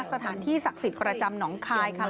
สถานที่ศักดิ์สิทธิ์ประจำหนองคายค่ะ